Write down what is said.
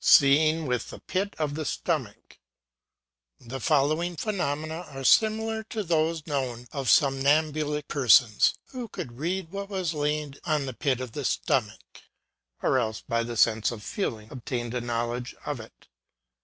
SEEING WITH THE PIT OP THE STOMACH. The following phenomena are similar to those known of somnambulic persons, who could read what was laid on the pit of the stomach ; or else^ by the sense of feeling, obtained a knowledge of it.